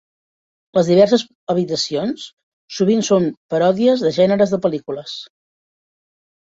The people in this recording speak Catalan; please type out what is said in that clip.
Les diverses habitacions sovint són paròdies de gèneres de pel·lícules.